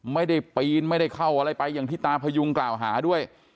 ปีนไม่ได้เข้าอะไรไปอย่างที่ตาพยุงกล่าวหาด้วย